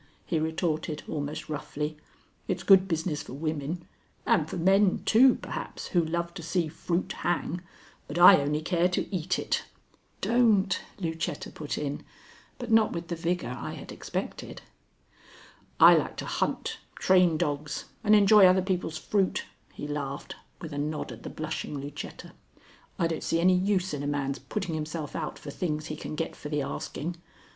he retorted, almost roughly. "It's good business for women; and for men, too, perhaps, who love to see fruit hang, but I only care to eat it." "Don't," Lucetta put in, but not with the vigor I had expected. "I like to hunt, train dogs, and enjoy other people's fruit," he laughed, with a nod at the blushing Lucetta. "I don't see any use in a man's putting himself out for things he can get for the asking.